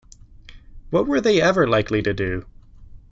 What were they ever likely to do?